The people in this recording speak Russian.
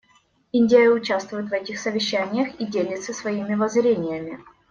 Индия участвует в этих совещаниях и делится своими воззрениями.